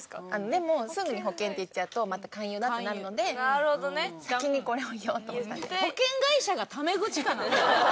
でもすぐに保険って言っちゃうとまた勧誘だってなるので先にこれを言おうと。